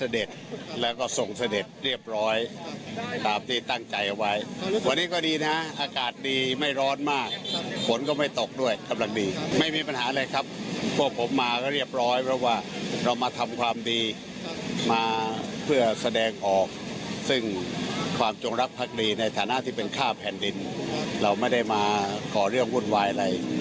ดูสิทธิ์วิสุใครที่เป็นข้าพแผ่นดินเราไม่ได้มาก่อเรื่องวุ่นวายอะไร